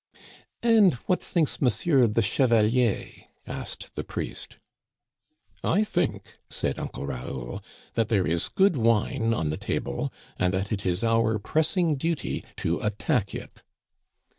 And what thinks Monsieur the Chevalier ?" asked the priest. I think," said Uncle Raoul, "that there is good wine on the table, and that it is our pressing duty to attack it."